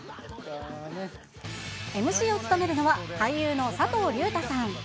ＭＣを務めるのは、俳優の佐藤隆太さん。